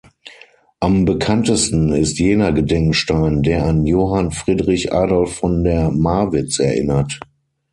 Am bekanntesten ist jener Gedenkstein, der an Johann Friedrich Adolf von der Marwitz erinnert.